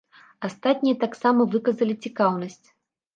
Астатнія таксама выказалі цікаўнасць.